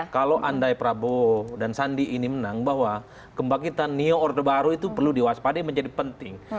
kalau andai prabowo dan sandi ini menang bahwa kembangkitan neo orde baru itu perlu diwaspade menjadi penting